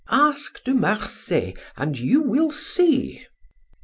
"Ask De Marsay and you will see!"